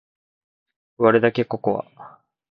割るだけココア